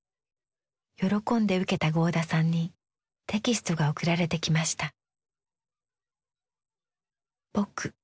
喜んで受けた合田さんにテキストが送られてきました。